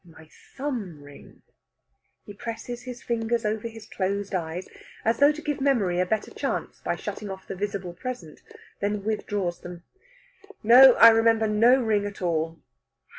"My thumb ring!" He presses his fingers over his closed eyes, as though to give Memory a better chance by shutting off the visible present, then withdraws them. "No, I remember no ring at all."